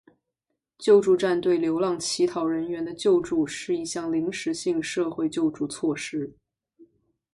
救助站对流浪乞讨人员的救助是一项临时性社会救助措施。